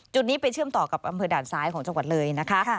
นี้ไปเชื่อมต่อกับอำเภอด่านซ้ายของจังหวัดเลยนะคะ